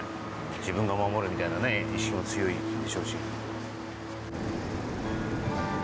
自分が守るみたいな意識も強いでしょうし。